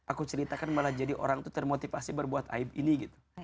aku ceritakan malah jadi orang itu termotivasi berbuat aib ini gitu